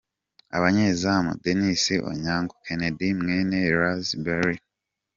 Abanyezamu: Denis Onyango, Kennedy Mweene, Razak Brimah.